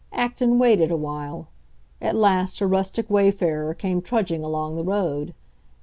Acton waited a while; at last a rustic wayfarer came trudging along the road.